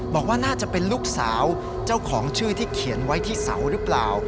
บอกว่าน่าจะเป็นลูกสาวเจ้าของชื่อที่เขียนไว้ที่เสาหรือเปล่า